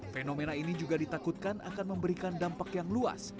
fenomena ini juga ditakutkan akan memberikan dampak yang luas